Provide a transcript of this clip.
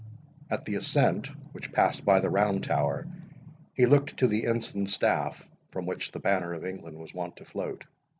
At the ascent, which passed by the Round Tower, he looked to the ensign staff, from which the banner of England was wont to float.